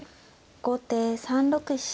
後手３六飛車。